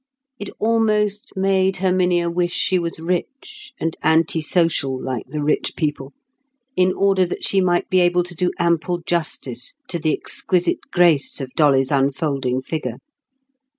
It almost made Herminia wish she was rich—and anti social, like the rich people—in order that she might be able to do ample justice to the exquisite grace of Dolly's unfolding figure.